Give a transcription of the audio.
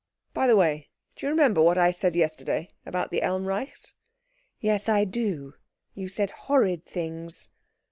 "By the way, do you remember what I said yesterday about the Elmreichs?" "Yes, I do. You said horrid things."